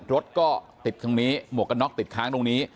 รถก็ติดตรงนี้หมวกกันน็อกติดค้างตรงนี้